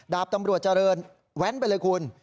ดาบตำรวจเจริญแว้นไปเลยคุณ